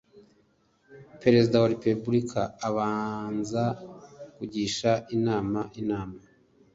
Perezida wa Repubulika abanza kugisha inama Inama